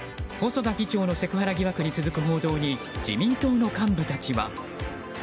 細田議長のセクハラ疑惑に続く報道に自民党の幹部たちは。